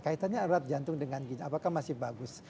kaitannya arat jantung dengan ginjal apakah masih bagus